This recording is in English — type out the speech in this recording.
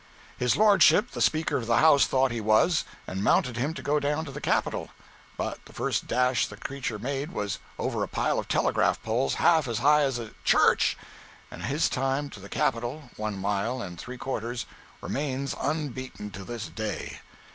His lordship the Speaker of the House thought he was, and mounted him to go down to the Capitol; but the first dash the creature made was over a pile of telegraph poles half as high as a church; and his time to the Capitol—one mile and three quarters—remains unbeaten to this day.